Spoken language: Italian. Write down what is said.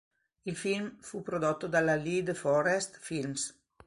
Il film fu prodotto dalla Lee De Forest Films.